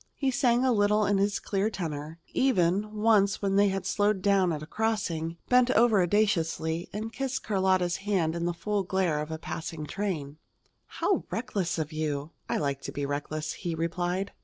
He sang a little in his clear tenor even, once when they had slowed down at a crossing, bent over audaciously and kissed Carlotta's hand in the full glare of a passing train. "How reckless of you!" "I like to be reckless," he replied.